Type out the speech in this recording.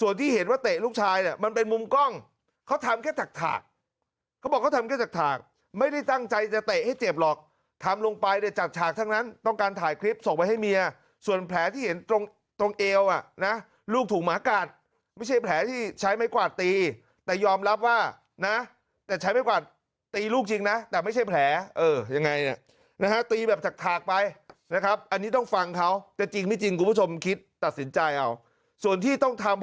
ส่วนที่เห็นว่าเตะลูกชายมันเป็นมุมกล้องเขาทำแค่จักรถากเขาบอกว่าทำแค่จักรถากไม่ได้ตั้งใจจะเตะให้เจ็บหรอกทำลงไปจัดฉากทั้งนั้นต้องการถ่ายคลิปส่งไปให้เมียส่วนแผลที่เห็นตรงเอวลูกถูกหมากัดไม่ใช่แผลที่ใช้ไม้กวาดตีแต่ยอมรับว่านะแต่ใช้ไม้กวาดตีลูกจริงนะแต่ไม่ใช่แผลอย่างไงนะฮะตีแ